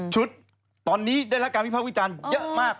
ชุดตอนนี้ได้รักการพิพักวิจารณ์เยอะมาก